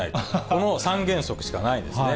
この３原則しかないんですね。